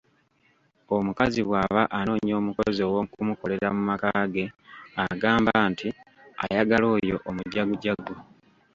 Omuzadde bw'aba anoonya omukozi ow'okumukolera mu maka ge agamba nti ,ayagala oyo omujagujagu.